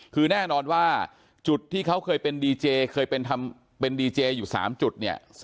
คือแน่นอนว่าจุดที่เขาเคยเป็นดีเจเคยเป็นดีเจอยู่๓จุดเนี่ย